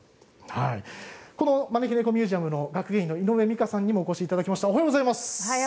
この招き猫ミュージアムの学芸員の井上美香さんにお越しいただきました。